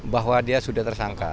bahwa dia sudah tersangka